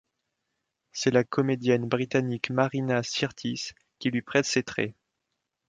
C'est la comédienne britannique Marina Sirtis qui lui prête ses traits.